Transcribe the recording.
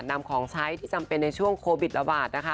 นำของใช้ที่จำเป็นในช่วงโควิดระบาดนะคะ